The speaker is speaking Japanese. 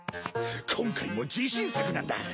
今回も自信作なんだ。